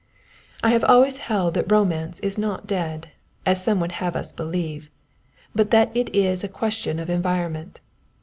I have always held that Romance is not dead, as some would have us believe, but that it is a question of environment.